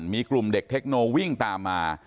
มีกลุ่มเด็กเทคโนวิ่งตามมา